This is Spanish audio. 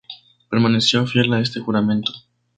Permaneció fiel a este juramento.